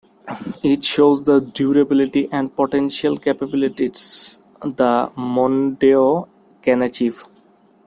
It shows the durability and potential capabilities the Mondeo can achieve.